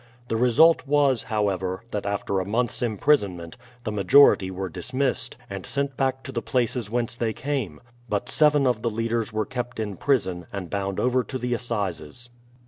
The result was, hovever, that after a month's imprisonment, the majority were dismissed, and sent back to the places whence they came; but seven of the leaders were kept in prison, and bound over to the Assizes.